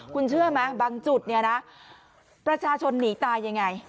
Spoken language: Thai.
คุณเชื่อไหมบางจุดเนี่ยนะประชาชนหนีตายยังไง